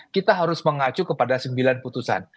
kita harus mengacu kepada sembilan putusan